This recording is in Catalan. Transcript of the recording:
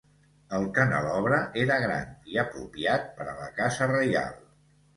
El canelobre era gran i apropiat per a la casa reial.